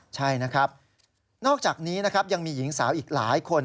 ใช่นะครับนอกจากนี้นะครับยังมีหญิงสาวอีกหลายคน